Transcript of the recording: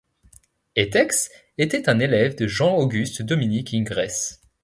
Étex était un élève de Jean-Auguste-Dominique Ingres.